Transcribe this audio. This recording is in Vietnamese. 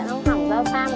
không hỏng dao xam